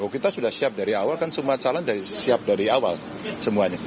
kita sudah siap dari awal kan semua calon siap dari awal semuanya